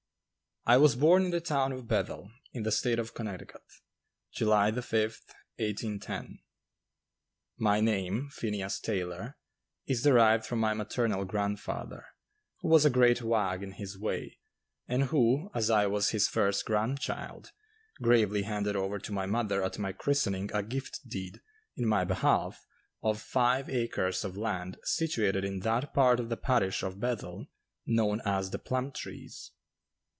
I was born in the town of Bethel, in the State of Connecticut, July 5, 1810. My name, Phineas Taylor, is derived from my maternal grandfather, who was a great wag in his way, and who, as I was his first grandchild, gravely handed over to my mother at my christening a gift deed, in my behalf, of five acres of land situated in that part of the parish of Bethel known as the "Plum Trees."